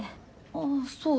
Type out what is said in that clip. あっそう。